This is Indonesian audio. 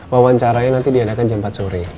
wawancaranya nanti diadakan jam empat sore